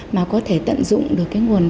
mà có thể tận dụng được cái nguồn nguồn